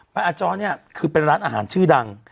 อาจ้อเนี่ยคือเป็นร้านอาหารชื่อดัง